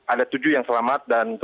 ada tujuh yang selamat dan